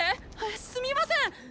⁉すみませんっ。